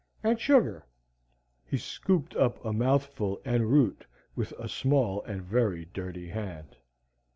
"And sugar." He scooped up a mouthful en route with a small and very dirty hand.